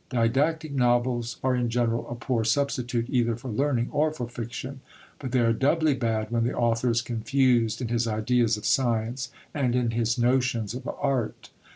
Didactic novels are in general a poor substitute either for learning or for fiction, but they are doubly bad when the author is confused in his ideas of science and in his notions of art.